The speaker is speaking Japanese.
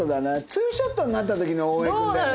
ツーショットになった時の大江君だよね。